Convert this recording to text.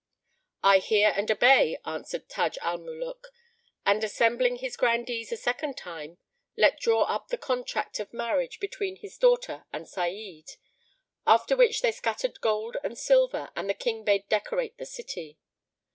"I hear and obey," answered Taj al Muluk, and assembling his Grandees a second time, let draw up the contract of marriage between his daughter and Sa'id; after which they scattered gold and silver and the King bade decorate the city.